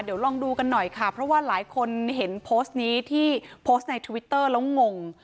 เดี๋ยวลองดูกันหน่อยค่ะเพราะว่าหลายคนเห็นโพสต์นี้ที่โพสต์ในทวิตเตอร์แล้วงง